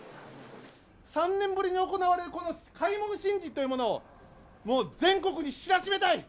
３年ぶりに行われるこの開門神事というものを、もう全国に知らしめたい。